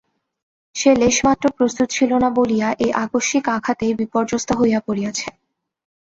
সে লেশমাত্র প্রস্তুত ছিল না বলিয়া এই আকস্মিক আঘাতেই বিপর্যস্ত হইয়া পড়িয়াছে।